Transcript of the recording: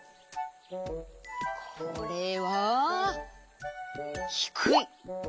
これはひくい。